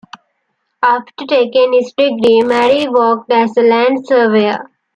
After taking his degree, Murray worked as a land surveyor.